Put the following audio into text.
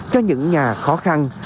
cho những nhà khó khăn